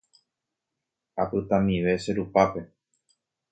Apytamive che rupápe.